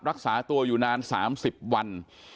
รักษาตัวอยู่นาน๓๐วัน